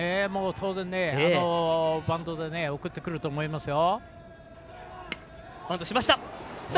当然、バントで送ってくると思いますよ。